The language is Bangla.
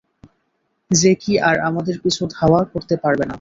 জ্যাকি আর আমাদের পিছু ধাওয়া করতে পারবে না!